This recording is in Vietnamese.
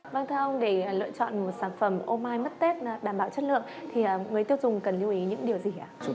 vâng thưa ông để lựa chọn một sản phẩm ô mai mất tết đảm bảo chất lượng